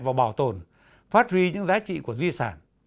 và bảo tồn phát huy những giá trị của di sản